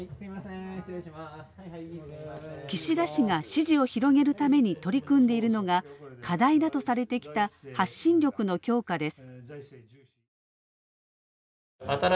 岸田氏が支持を広げるために取り組んでいるのが課題だとされてきた発信力の強化です。